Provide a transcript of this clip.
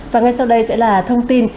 và ngay sau đây sẽ là thông tin